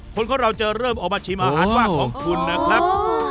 คนของเราจะเริ่มออกมาชิมอาหารว่างของคุณนะครับ